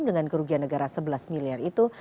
dengan kerugian negara sebelas miliar itu